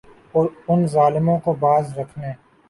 اور ان ظالموں کو باز رکھنے